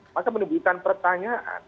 maka menimbulkan pertanyaan